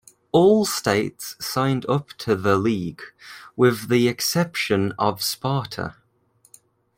All states signed up to the league, with the exception of Sparta.